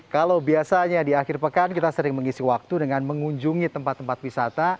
kalau biasanya di akhir pekan kita sering mengisi waktu dengan mengunjungi tempat tempat wisata